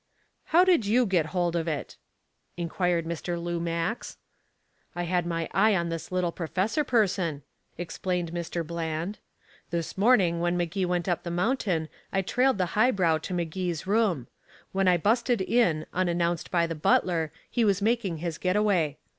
"How did you get hold of it?" inquired Mr. Lou Max. "I had my eye on this little professor person," explained Mr. Bland. "This morning when Magee went up the mountain I trailed the high brow to Magee's room. When I busted in, unannounced by the butler, he was making his getaway.